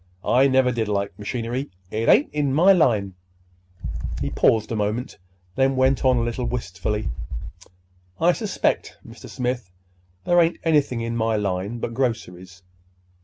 I never did like machinery. It ain't in my line." He paused a moment, then went on a little wistfully:— "I suspect, Mr. Smith, there ain't anything in my line but groceries.